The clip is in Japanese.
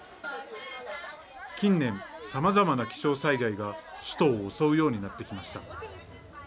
近年、さまざまな気象災害が首都を襲うようになってきました。